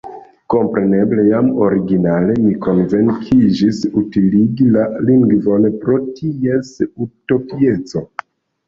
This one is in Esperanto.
Kompreneble, jam originale mi konvinkiĝis utiligi la lingvon pro ties utopieco.